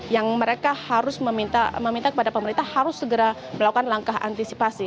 yang mereka harus meminta kepada pemerintah harus segera melakukan langkah antisipasi